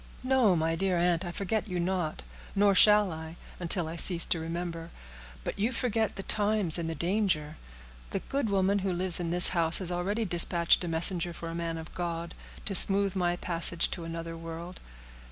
"No, my dear aunt, I forget you not, nor shall I, until I cease to remember; but you forget the times and the danger. The good woman who lives in this house has already dispatched a messenger for a man of God, to smooth my passage to another world.